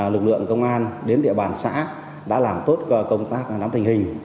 lực lượng công an đến địa bàn xã đã làm tốt công tác nắm tình hình